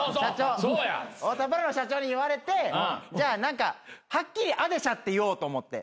太田プロの社長に言われてじゃあはっきりあでしゃって言おうと思って。